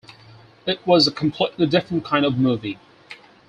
It was a completely different kind of movie.